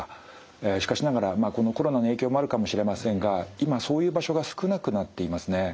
しかしながらまあこのコロナの影響もあるかもしれませんが今そういう場所が少なくなっていますね。